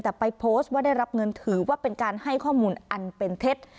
แต่ไปโพสต์ว่าได้รับเงินถือว่าเป็นการให้ข้อมูลอันเป็นเท็จ